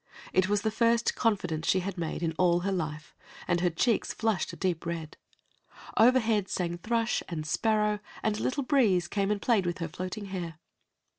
It was the first confidence that she had made in all her life, and her cheeks flushed deep red. Overhead sang thrush and sparrow, and a little breeze came and played with her floating hair.